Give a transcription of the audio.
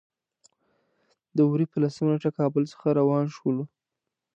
د وري په لسمه نېټه کابل څخه روان شولو.